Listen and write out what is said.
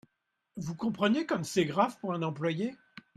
Vous comprenez comme c’est grave pour un employé.